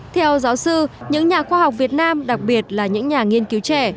theo giáo sư những nhà khoa học việt nam đặc biệt là những nhà nghiên cứu trẻ